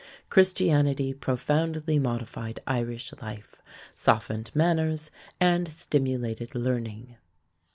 Christianity profoundly modified Irish life, softened manners, and stimulated learning.